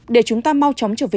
để chúng ta mau chóng trở về